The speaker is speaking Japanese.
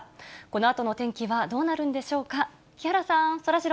このあとの天気はどうなるんでしょうか。